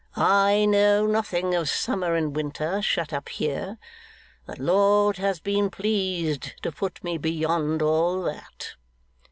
'I know nothing of summer and winter, shut up here. The Lord has been pleased to put me beyond all that.